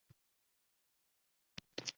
Har bir zamonning o‘z mudhish jinoyatlari bo‘ladi